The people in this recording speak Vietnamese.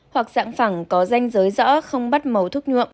hoặc dạng phẳng có danh giới rõ không bắt màu thuốc nhuộm